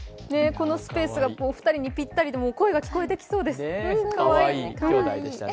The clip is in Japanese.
このスペースが２人にぴったりで声が聞こえてきそうです。